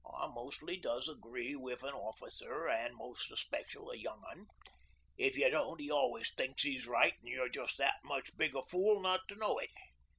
I mostly does agree with an officer an' most especial a young 'un. If you don't, 'e always thinks 'e's right an' you're just that much big a fool not to know it.